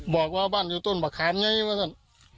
บอกว่าบ้านอยู่ต้นมะขามไงว่าท่าน